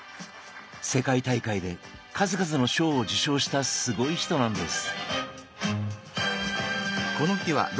世界大会で数々の賞を受賞したすごい人なんです。